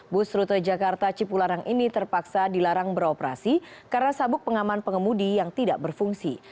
bus rute jakarta cipularang ini terpaksa dilarang beroperasi karena sabuk pengaman pengemudi yang tidak berfungsi